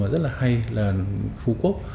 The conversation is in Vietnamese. rất hay là phú quốc